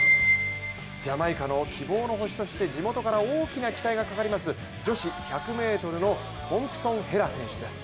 ジャマイカの希望の星として地元から大きな期待がかかります女子１００ｍのトンプソン・ヘラ選手です。